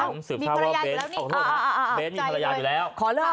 แอ๋มสืบทราบว่าเบ้นท์มีภรรยาอยู่แล้ว